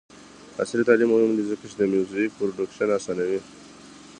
عصري تعلیم مهم دی ځکه چې د میوزیک پروډکشن اسانوي.